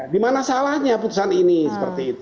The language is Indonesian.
dimana salahnya putusan ini seperti itu